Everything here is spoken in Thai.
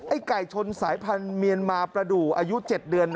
ไก่ชนสายพันธุ์เมียนมาประดูกอายุ๗เดือน